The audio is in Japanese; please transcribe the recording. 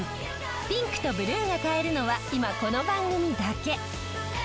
ピンクとブルーが買えるのは今この番組だけ！